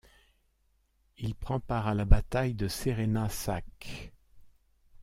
Il premd part à la bataille de Serena Sac.